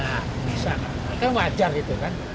bisa kan wajar gitu kan